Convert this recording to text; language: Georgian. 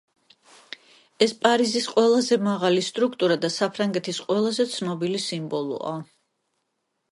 ეს პარიზის ყველაზე მაღალი სტრუქტურა და საფრანგეთის ყველაზე ცნობილი სიმბოლოა.